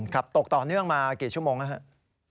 ครับตกต่อเนื่องมากี่ชั่วโมงครับ